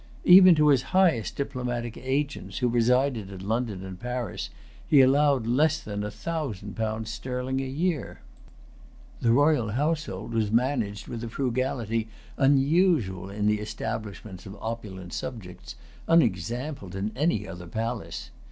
Even to his highest diplomatic agents, who resided at London and Paris, he allowed less than a thousand pounds sterling a year. The royal household was managed with a frugality unusual in the establishments of opulent subjects, unexampled in any other palace.